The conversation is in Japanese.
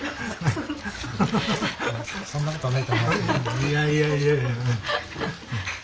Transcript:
いやいやいやいや。